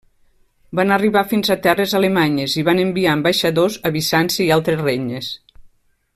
Van arribar fins a terres alemanyes i van enviar ambaixadors a Bizanci i altres regnes.